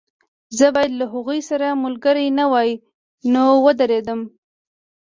زه باید له هغوی سره ملګری نه وای نو ودرېدم